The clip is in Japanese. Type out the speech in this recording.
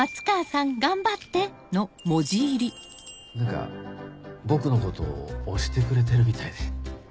何か僕のことを推してくれてるみたいで。